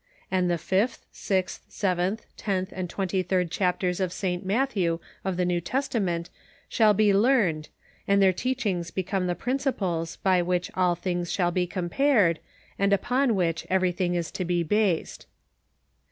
And the fiftli, sixth, seventh, tenth and twenty third chapters of St. Matthew of the New Testa, ment shall be learned, and their teachings becoriie the principles by which all things shall be compared, and upon which everything is to be based.